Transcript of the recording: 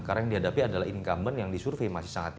karena yang dihadapi adalah incumbent yang disurvey masih sangat tinggi